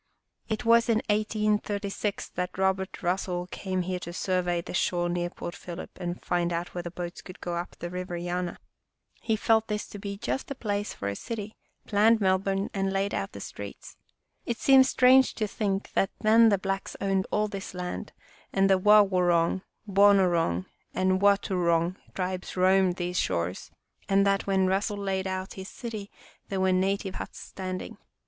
" It was in 1836 that Robert Russell came here to survey the shore near Port Phillip and find out whether boats could go up the River Yana. He felt this to be just the place for a " Land !" 3 city, planned Melbourne and laid out the streets. It seems strange to think that then the blacks owned all this land and the Wawoorong, Boo noorong, and Wautourong tribes roamed these shores, and that when Russell laid out his city there were native huts standing.